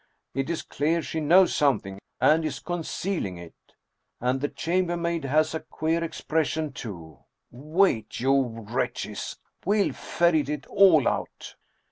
" It is clear she knows something, and is con cealing it! And the chambermaid has a queer expression too ! Wait, you wretches ! We'll ferret it all out